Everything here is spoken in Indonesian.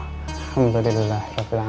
alhamdulillah ya allah